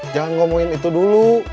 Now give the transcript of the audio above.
jangan ngomongin itu dulu